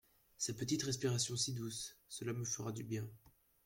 Sa petite respiration si douce, cela me fera du bien.